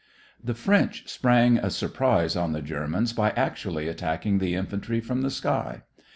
The French sprang a surprise on the Germans by actually attacking the infantry from the sky.